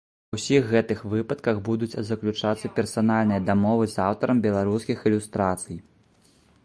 Ва ўсіх гэтых выпадках будуць заключацца персанальныя дамовы з аўтарам беларускіх ілюстрацый.